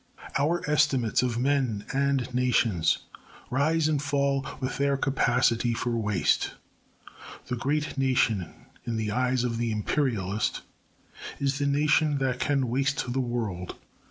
Our estimates of men and nations rise and fall with their capacity for waste. The great nation, in the eyes of the Imperialist, is the nation that can waste the world.